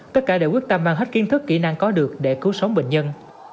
tất cả đều quyết tâm mang hết kiến thức kỹ năng có được để cứu sống bệnh nhân